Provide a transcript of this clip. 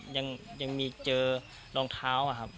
ยังมีเจอรองเท้าอะครับ